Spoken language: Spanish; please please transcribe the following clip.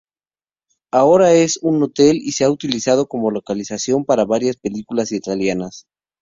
Ahora es un hotel y se ha utilizado como localización para varias películas italianas.